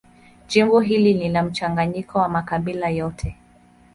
Jimbo hili lina mchanganyiko wa makabila yote.